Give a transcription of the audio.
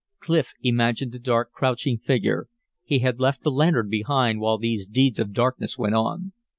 Clif imagined the dark, crouching figure. He had left the lantern behind while these deeds of darkness went on.